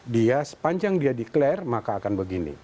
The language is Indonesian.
dia sepanjang dia declare maka akan begini